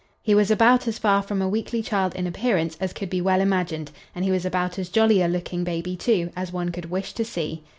He was about as far from a weakly child in appearance as could be well imagined and he was about as jolly a looking baby, too, as one could wish to see.